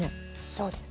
そうです。